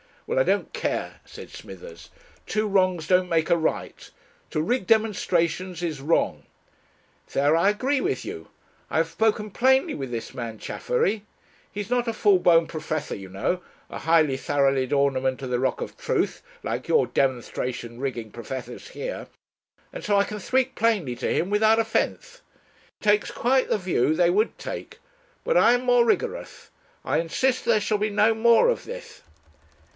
"Well, I don't care," said Smithers; "two wrongs don't make a right. To rig demonstrations is wrong." "There I agree with you. I have spoken plainly with this man Chaffery. He's not a full blown professor, you know, a highly salaried ornament of the rock of truth like your demonstration rigging professors here, and so I can speak plainly to him without offence. He takes quite the view they would take. But I am more rigorous. I insist that there shall be no more of this...."